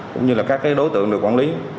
cũng như là các đối tượng được quản lý